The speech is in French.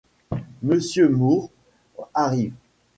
Monsieur Moore, arrive.